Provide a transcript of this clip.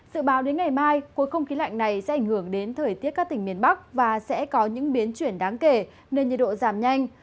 dự báo đến ngày mai khối không khí lạnh này sẽ ảnh hưởng đến thời tiết các tỉnh miền bắc và sẽ có những biến chuyển đáng kể nên nhiệt độ giảm nhanh